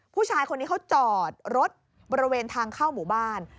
ผู้ชายคนนี้เขาจอดรถบริเวณทางเข้าหมู่บ้าน